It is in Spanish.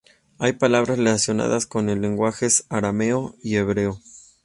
Hay palabras relacionadas en los lenguajes arameo y hebreo.